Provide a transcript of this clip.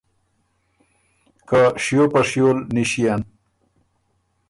که شیو په شیو ل نِݭيېن۔